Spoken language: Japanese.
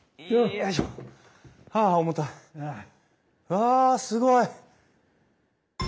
わあすごい！